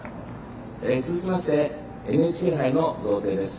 続きまして、ＮＨＫ杯の贈呈です。